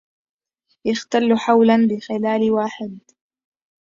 يختل حولا بخلال واحد